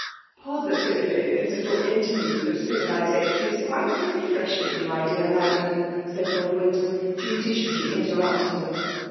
" Positively this little interlude of civiliza tion is quite refreshing, my dear Madam/' said Lord Wyndham, judiciously interrupting them.